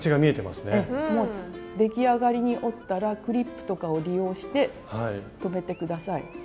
ええもう出来上がりに折ったらクリップとかを利用して留めて下さい。